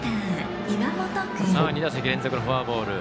２打席連続のフォアボール。